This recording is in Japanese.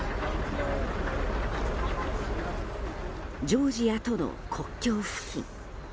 ジョージアとの国境付近。